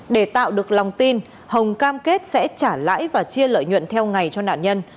để tạo được lòng tin hồng cam kết sẽ trả lãi và chia lợi nhuận theo ngày cho nạn nhân